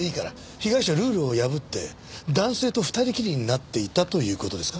被害者はルールをやぶって男性と２人きりになっていたという事ですか？